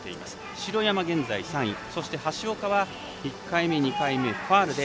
城山は現在３位橋岡は１回目２回目ファウル。